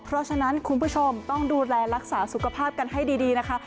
เพราะฉะนั้นคุณผู้ชมต้องดูแลรักษาสุขภาพกันให้ดีนะคะ